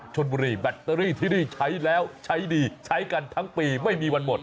ใช้แล้วใช้ดีใช้กันทั้งปีไม่มีวันหมด